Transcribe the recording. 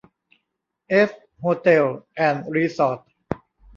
เอส โฮเทล แอนด์ รีสอร์ท